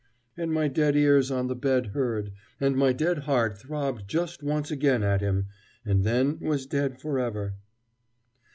and my dead ears on the bed heard, and my dead heart throbbed just once again at him, and then was dead for ever.